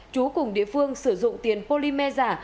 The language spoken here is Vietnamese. trú cùng địa phương sử dụng tiền polymer giả